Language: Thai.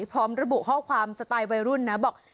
พร้อมระบุข้อความสไตล์วัยรุ่นนะบอก